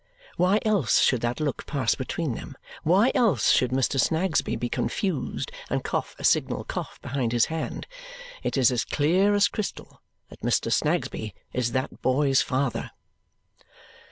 Why else should that look pass between them, why else should Mr. Snagsby be confused and cough a signal cough behind his hand? It is as clear as crystal that Mr. Snagsby is that boy's father.